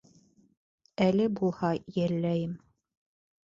Әле булһа йәлләйем.